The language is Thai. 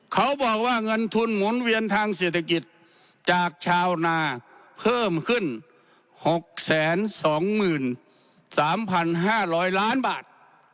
เขาบอกว่าเงินทุนหมุนเวียนทางเศรษฐกิจจากชาวนาเพิ่มขึ้น๖๒๓๕๐๐ล้านบาท